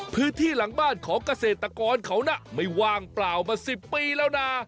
พื้นที่หลังบ้านของเกษตรกรเขาน่ะไม่ว่างเปล่ามา๑๐ปีแล้วนะ